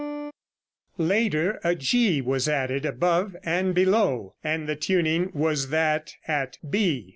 Later, a G was added above and below, and the tuning was that at b.